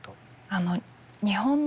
あの日本の戦争